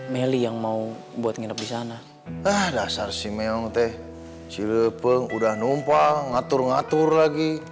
melly yang mau buat nginep di sana dasar sih memang teh cilepung udah numpang ngatur ngatur lagi